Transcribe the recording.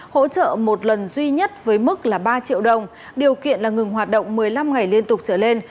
hỗ trợ một lần duy nhất với mức là ba triệu đồng điều kiện là ngừng hoạt động một mươi năm ngày liên tục trở lên